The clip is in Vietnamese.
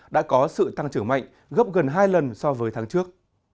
đã có sự tăng trưởng mạnh gấp gần hai lần so với tháng trước